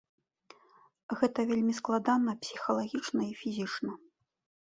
Гэта вельмі складана псіхалагічна і фізічна.